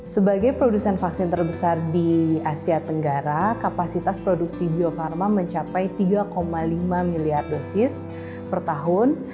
sebagai produsen vaksin terbesar di asia tenggara kapasitas produksi bio farma mencapai tiga lima miliar dosis per tahun